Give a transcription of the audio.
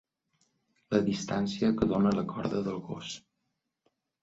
La distància que dóna la corda del gos.